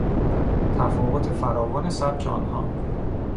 تفاوت فراوان سبک آنها